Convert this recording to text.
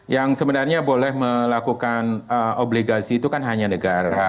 yang sebenarnya boleh melakukan obligasi itu kan hanya negara